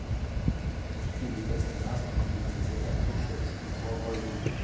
Die beste Maßnahme gegen diese Erdrutsche ist die Vorbeugung.